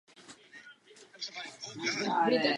Jáma sloužila k těžbě uhlí a také jako jáma větrní.